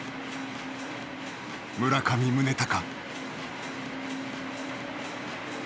村上宗隆。